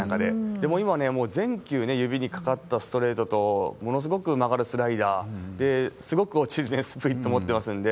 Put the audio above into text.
でも今はね、全球指にかかったストレートと、ものすごく曲がるスライダー、すごく落ちるスプリット持ってますんで、